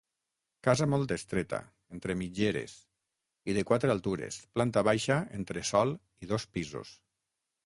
Casa molt estreta, entre mitgeres, i de quatre altures, planta baixa, entresòl i dos pisos.